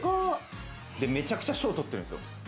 めちゃくちゃ賞取ってるんすよ。